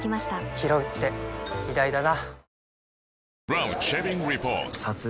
ひろうって偉大だな